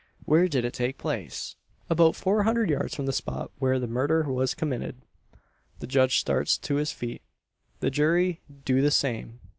"Where did it take place?" "About four hundred yards from the spot where the murder was committed." The judge starts to his feet. The jury do the same.